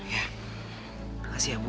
ya terima kasih ya ibu